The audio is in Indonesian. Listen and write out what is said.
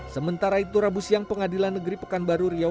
sementara itu rabu siang pengadilan negeri pekanbaru riau